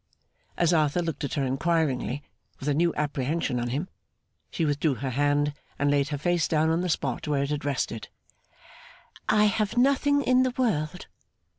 As Arthur looked at her inquiringly, with a new apprehension on him, she withdrew her hand, and laid her face down on the spot where it had rested. 'I have nothing in the world.